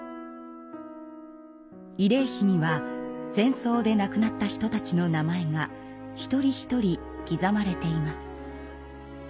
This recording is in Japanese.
慰霊碑には戦争で亡くなった人たちの名前が一人一人刻まれています。